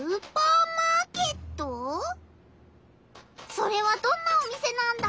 それはどんなお店なんだ？